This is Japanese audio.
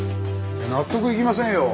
納得いきませんよ。